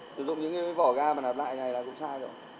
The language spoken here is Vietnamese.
sử dụng những vỏ ga mà nạp lại này là cũng sai rồi